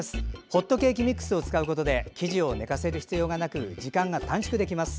ホットケーキミックスを使うことで生地をねかせる必要がなく時間が短縮できます。